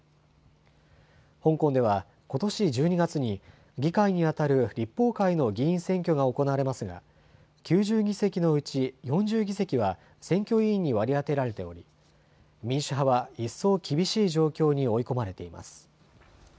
香港では、ことし１２月に、議会に当たる立法会の議員選挙が行われますが、９０議席のうち４０議席は選挙委員に割り当てられており、民主派は一層厳しい状況に追い込まれています。